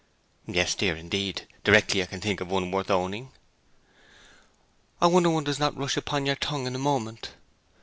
'Yes, dear, indeed; directly I can think of one worth owning.' 'I wonder one does not rush upon your tongue in a moment!'